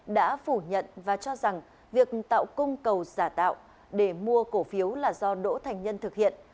đã phủ nhận và cho rằng việc tạo cung cầu giả tạo để mua cổ phiếu là do đỗ thành nhân thực hiện